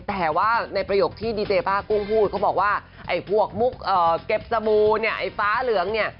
แต่ว่าในประโยคที่ดีเจป้ากุ้งพูดเขาบอกว่าไอ้พวกมุกเก็บสบู่เนี่ยไอ้ฟ้าเหลืองเนี่ย